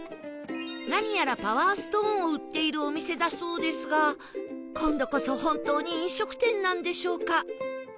何やらパワーストーンを売っているお店だそうですが今度こそ本当に飲食店なんでしょうか？